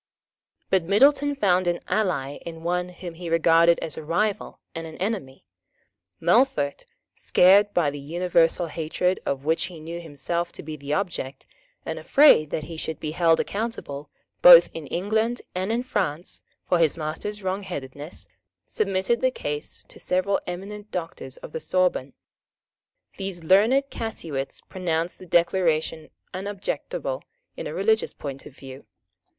But Middleton found an ally in one whom he regarded as a rival and an enemy. Melfort, scared by the universal hatred of which he knew himself to be the object, and afraid that he should be held accountable, both in England and in France, for his master's wrongheadedness, submitted the case to several eminent Doctors of the Sorbonne. These learned casuists pronounced the Declaration unobjectionable in a religious point of view.